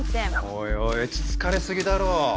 おいおいつつかれ過ぎだろ。